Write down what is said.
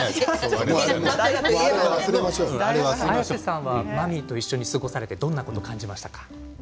綾瀬さんはマミーと一緒に過ごされてどんなことを感じましたか？